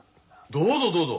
どうぞどうぞ。